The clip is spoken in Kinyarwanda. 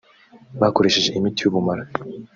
bakoresheje imiti y’ubumara